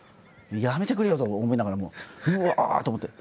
やめてくれよと思いながらもううわあと思って。